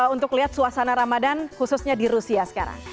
untuk lihat suasana ramadan khususnya di rusia sekarang